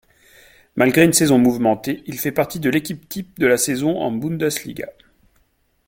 Malgré une saison mouvementée, il fait partie de l'équipe-type de la saison en Bundesliga.